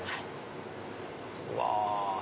うわ！